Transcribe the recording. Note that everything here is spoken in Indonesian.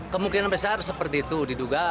kemungkinan besar seperti itu diduga